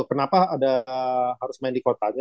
kenapa ada harus main di kotanya